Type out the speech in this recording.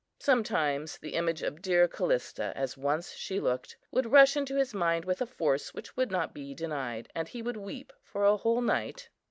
Sometimes the image of dear Callista, as once she looked, would rush into his mind with a force which would not be denied, and he would weep for a whole night.